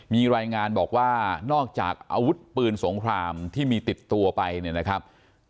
มีรายงานบอกว่านอกจากอาวุธปืนสงครามที่มีติดตัวไปเนี่ยนะครับ